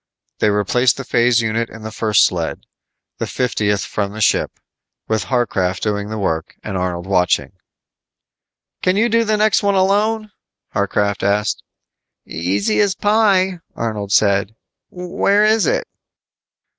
They replaced the phase unit in the first sled the fiftieth from the ship with Harcraft doing the work and Arnold watching. "Can you do the next one alone?" Harcraft asked. "Easy as pie," Arnold said. "Where is it?"